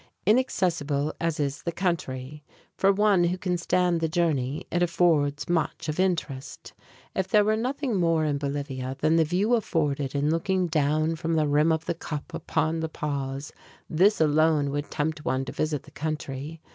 Inaccessible as is the country, for one who can stand the journey it affords much of interest. If there were nothing more in Bolivia than the view afforded in looking down from the rim of the cup upon La Paz, this alone would tempt one to visit the country.